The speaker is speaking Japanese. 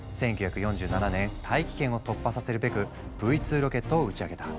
１９４７年大気圏を突破させるべくＶ２ロケットを打ち上げた。